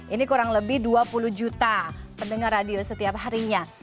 ini kurang lebih dua puluh juta pendengar radio setiap harinya